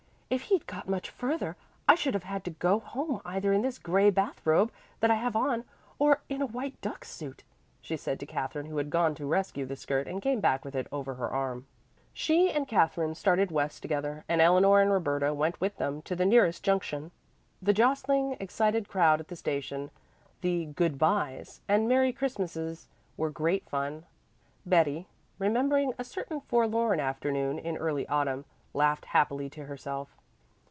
If he'd got much further I should have had to go home either in this gray bath robe that I have on, or in a white duck suit," she said to Katherine who had gone to rescue the skirt and came back with it over her arm. She and Katherine started west together and Eleanor and Roberta went with them to the nearest junction. The jostling, excited crowd at the station, the "good byes" and "Merry Christmases," were great fun. Betty, remembering a certain forlorn afternoon in early autumn, laughed happily to herself.